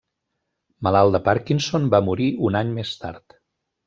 Malalt de Parkinson, va morir un any més tard.